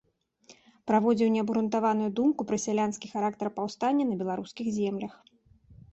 Праводзіў неабгрунтаваную думку пра сялянскі характар паўстання на беларускіх землях.